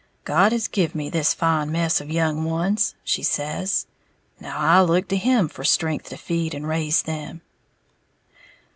"God has give me this fine mess of young ones," she says; "now I look to Him for strength to feed and raise them."